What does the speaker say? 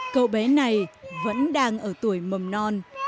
cậu bé này vẫn đang ở tuổi mầm non